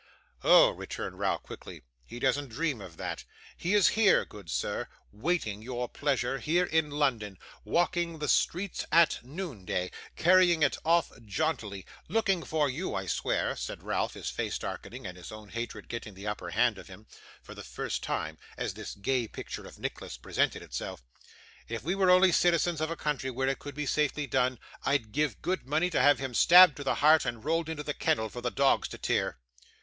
'Oh!' returned Ralph quickly, 'he doesn't dream of that. He is here, good sir, waiting your pleasure, here in London, walking the streets at noonday; carrying it off jauntily; looking for you, I swear,' said Ralph, his face darkening, and his own hatred getting the upper hand of him, for the first time, as this gay picture of Nicholas presented itself; 'if we were only citizens of a country where it could be safely done, I'd give good money to have him stabbed to the heart and rolled into the kennel for the dogs to tear.